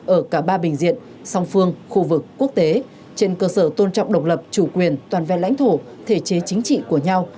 ở cả ba bình diện song phương khu vực quốc tế trên cơ sở tôn trọng độc lập chủ quyền toàn vẹn lãnh thổ thể chế chính trị của nhau